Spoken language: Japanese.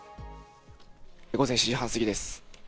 午前７時半過ぎです。